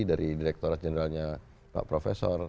dari direkturat jeneralnya pak ferry